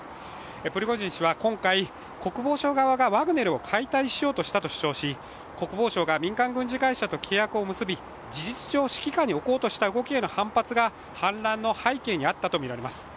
プリゴジン氏は今回、国防省側がワグネルを解体しようとしたと主張し国防省が民間軍事会社と契約を結び事実上、指揮下に置こうとした動きへの反発が反乱の背景にあったとみられます。